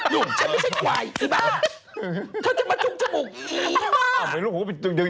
เถอะจะมาจุงจมูกดีมาก